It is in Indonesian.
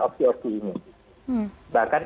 opsi opsi ini bahkan